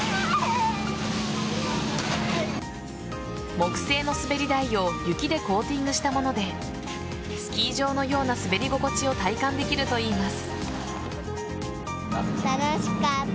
木製の滑り台を雪でコーティングしたものでスキー場のような滑り心地を体感できるといいます。